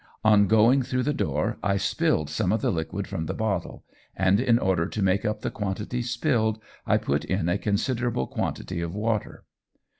On going through the door I spilled some of the liquid from the bottle, and in order to make up the quantity spilled I put in a considerable quantity of water.